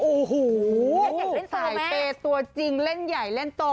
โอ้โหสายเปย์ตัวจริงเล่นใหญ่เล่นโต